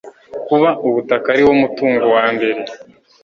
kuba ubutaka ariwo mutungo wa mbere